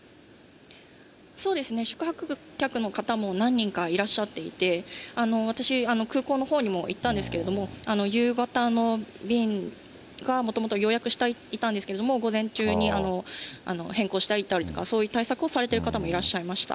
そうですね、宿泊客の方も何人かいらっしゃっていて、私、空港のほうにも行ったんですけれども、夕方の便がもともと予約していたんですけれども、午前中に変更したりとか、そういう対策をされている方もいらっしゃいました。